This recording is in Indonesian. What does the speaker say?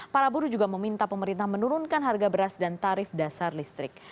para buruh juga meminta pemerintah menurunkan harga beras dan tarif dasar listrik